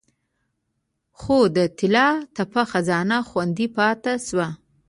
خو د طلا تپه خزانه خوندي پاتې شوه